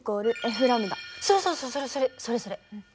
そうそうそうそれそれそれそれ。